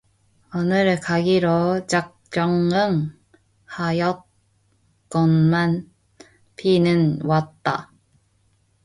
오늘 가기로 작정은 하였건만 비는 왔다